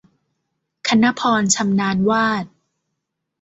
คณภรณ์ ชำนาญวาด